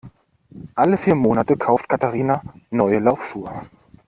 Alle vier Monate kauft Katharina neue Laufschuhe.